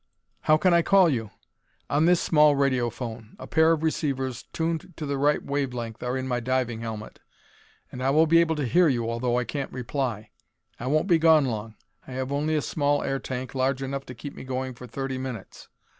"How can I call you?" "On this small radio phone. A pair of receivers tuned to the right wave length are in my diving helmet, and I will be able to hear you although I can't reply. I won't be gone long: I have only a small air tank, large enough to keep me going for thirty minutes.